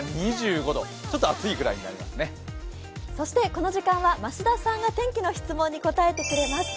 この時間は増田さんが天気の質問に答えてくれます。